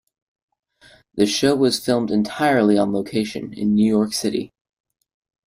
The show was filmed entirely on location in New York City.